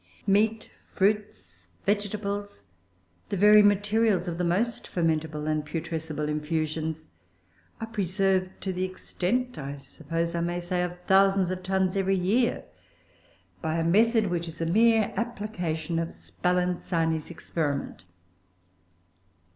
Meat, fruits, vegetables, the very materials of the most fermentable and putrescible infusions, are preserved to the extent, I suppose I may say, of thousands of tons every year, by a method which is a mere application of Spallanzani's experiment.